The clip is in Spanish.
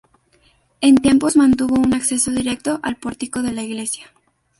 En tiempos mantuvo un acceso directo al pórtico de la Iglesia.